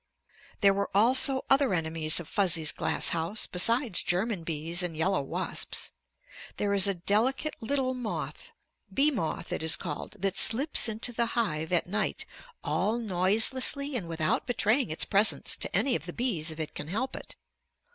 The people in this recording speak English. There were also other enemies of Fuzzy's glass house besides German bees and yellow wasps. There is a delicate little moth, bee moth it is called, that slips into the hive at night all noiselessly and without betraying its presence to any of the bees if it can help it.